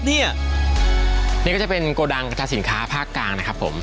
นี่นี่ก็จะเป็นโกดังกระทาสินค้าภาคกลางนะครับผม